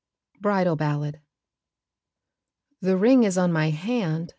BRIDAL BALLAD The ring is on my hand.